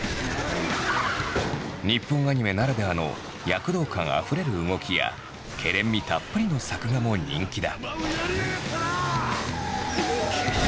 日本アニメならではの躍動感あふれる動きやけれんみたっぷりの作画も人気だ。